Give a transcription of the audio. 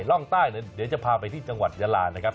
ร่องใต้เดี๋ยวจะพาไปที่จังหวัดยาลานะครับ